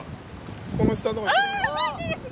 この下のが。